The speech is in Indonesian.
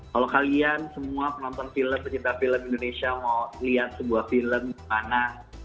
kalau kalian semua penonton film pencinta film indonesia mau lihat sebuah film di mana